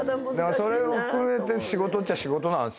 それも含めて仕事っちゃ仕事なんすよ。